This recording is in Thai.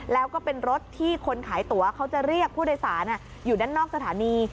แล้วก็เป็นรถที่คนขายตั๋วเขาจะเรียกผู้โดยสารอยู่ด้านนอกสถานี